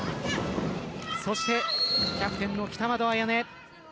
そして、キャプテンの北窓絢音。